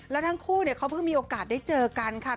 แล้วทั้งคู่เขาเพิ่งมีโอกาสได้เจอกันค่ะ